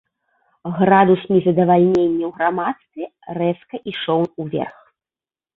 Градус незадавальнення ў грамадстве рэзка ішоў уверх.